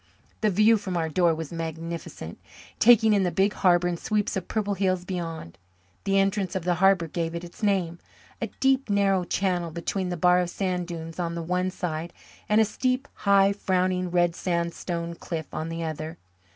The view from our door was magnificent, taking in the big harbour and sweeps of purple hills beyond. The entrance of the harbour gave it its name a deep, narrow channel between the bar of sand dunes on the one side and a steep, high, frowning red sandstone cliff on the other.